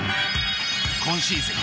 今シーズン